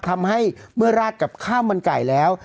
ทำให้เมื่อราดกับข้าวมันไก่แล้ว